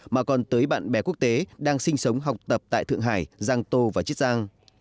mà còn tới bạn bè quốc tế đang sinh sống học tập tại thượng hải giang tô và chiết giang